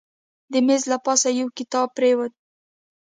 د میز له پاسه یو کتاب پرېوت.